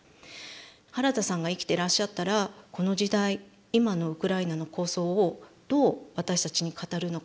原田さんが生きていらっしゃったらこの時代今のウクライナの抗争をどう私たちに語るのかな。